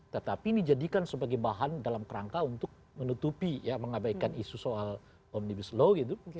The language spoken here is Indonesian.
tetapi dijadikan sebagai bahan dalam kerangka untuk menutupi ya mengabaikan isu soal omnibus law gitu